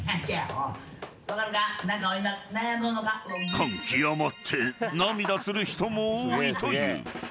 ［感極まって涙する人も多いという］